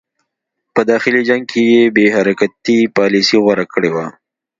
په داخلي جنګ کې یې بې حرکتي پالیسي غوره کړې وه.